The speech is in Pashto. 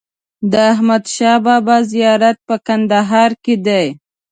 د احمدشاه بابا زیارت په کندهار کې دی.